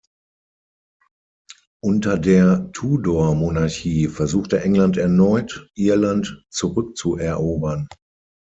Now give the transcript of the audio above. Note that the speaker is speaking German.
Unter der Tudor-Monarchie versuchte England erneut, Irland zurückzuerobern.